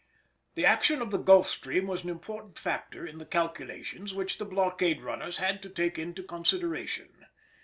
The action of the Gulf stream was an important factor in the calculations which the blockade runners had to take into consideration.